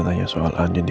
gak usah aku bisa sendiri